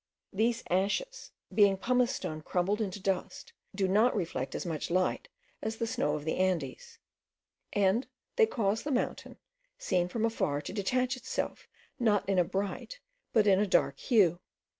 These ashes, being pumice stone crumbled into dust, do not reflect as much light as the snow of the Andes; and they cause the mountain, seen from afar, to detach itself not in a bright, but in a dark hue.